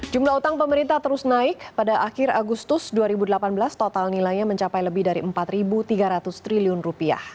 jumlah utang pemerintah terus naik pada akhir agustus dua ribu delapan belas total nilainya mencapai lebih dari rp empat tiga ratus triliun